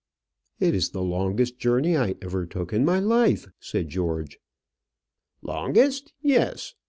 "It is the longest journey I ever took in my life," said George. "Longest; yes.